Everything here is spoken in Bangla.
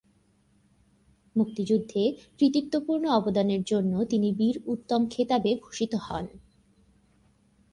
মুক্তিযুদ্ধে কৃতিত্বপূর্ণ অবদানের জন্য তিনি বীর উত্তম খেতাবে ভূষিত হন।